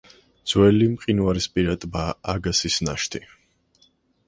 ძველი მყინვარისპირა ტბა აგასისის ნაშთი.